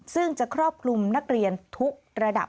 ซึ่งจะครอบคลุมนักเรียนทุกระดับ